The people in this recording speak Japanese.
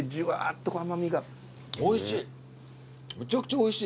おいしい！